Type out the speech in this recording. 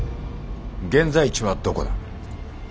現在地はどこだ？